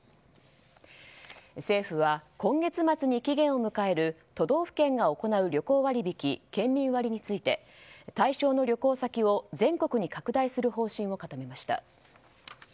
政府は今月末に期限を迎える都道府県が行う旅行割引、県民割について対象の旅行先を全国に拡大する方針を固めました。